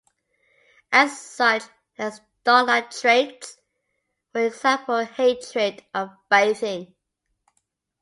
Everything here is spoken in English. As such, he has dog-like traits-for example a hatred of bathing.